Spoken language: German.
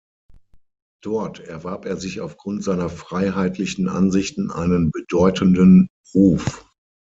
Dort erwarb er sich auf Grund seiner freiheitlichen Ansichten einen bedeutenden Ruf.